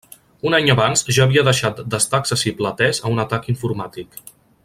Un any abans ja havia deixat d'estar accessible atés a un atac informàtic.